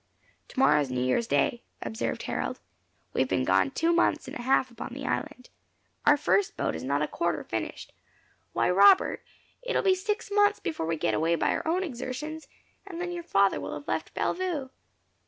"Tomorrow is New Year's Day," observed Harold. "We have been two months and a half upon the island. Our first boat is not a quarter finished. Why, Robert, it will be six months before we get away by our own exertions; and then your father will have left Bellevue."